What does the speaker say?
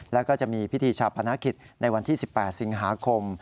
แล้วก็จะมีพิธีชาพนักกิจในวันที่๑๘สิงหาคม